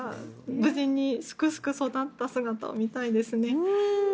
無事にすくすく育った姿を見たいですね。